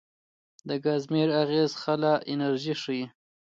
د کازیمیر اغېز خلا انرژي ښيي.